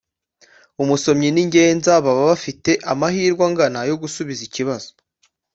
umusomyi n’ingenza baba bafite amahirwe angana yo gusubiza ikibazo.